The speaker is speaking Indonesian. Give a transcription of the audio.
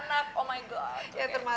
masih membaca dari sma